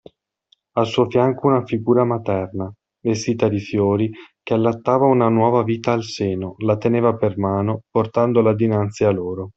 Al suo fianco una figura materna, vestita di fiori, che allattava una nuova vita al seno, la teneva per mano, portandola dinanzi a loro.